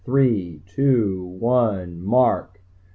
three ... two ... one ... mark!"